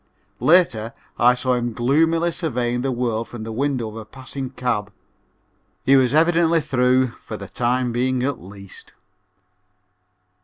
Later I saw him gloomily surveying the world from the window of a passing cab. He was evidently through for the time being at least.